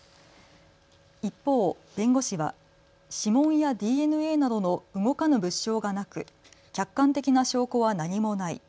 一方、弁護士は指紋やＤＮＡなどの動かぬ物証がなく客観的な証拠は何もない。